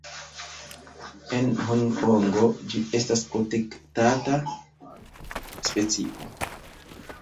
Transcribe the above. En Hongkongo, ĝi estas protektata specio.